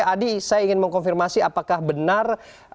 adi saya ingin mengkonfirmasi apakah benar